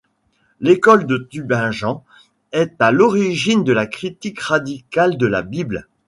L'École de Tübingen est à l'origine de la critique radicale de la Bible.